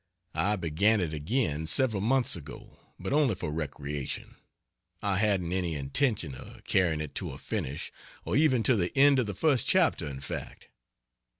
I began it again several months ago, but only for recreation; I hadn't any intention of carrying it to a finish or even to the end of the first chapter, in fact.